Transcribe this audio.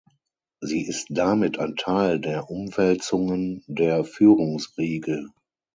Sie ist damit ein Teil der Umwälzungen der Führungsriege.